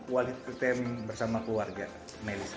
walid ketemi bersama keluarga melisa